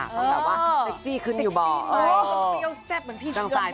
ต้องแบบว่าเซ็กซี่ขึ้นอยู่บ้าง